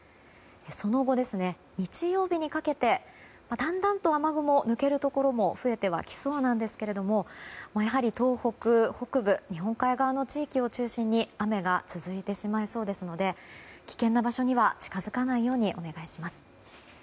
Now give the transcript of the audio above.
その後、日曜日にかけてだんだんと雨雲が抜けるところも増えてはきそうなんですけど東北北部日本海側の地域を中心に雨が続いてしまいそうですので危険な場所には近づかないようにお願いします。